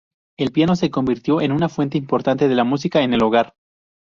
El piano se convirtió en una fuente importante de la música en el hogar.